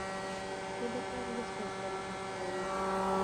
زه د کار وروسته استراحت کوم.